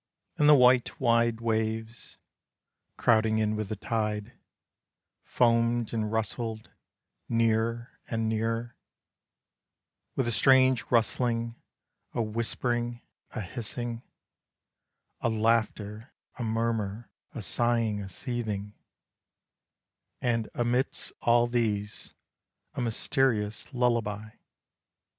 And the white wide waves, Crowding in with the tide, Foamed and rustled, nearer and nearer, With a strange rustling, a whispering, a hissing, A laughter, a murmur, a sighing, a seething, And amidst all these a mysterious lullaby.